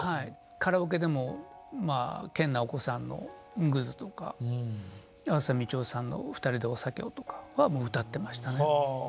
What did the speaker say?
カラオケでもまあ研ナオコさんの「愚図」とか梓みちよさんの「二人でお酒を」とかはもう歌ってましたね。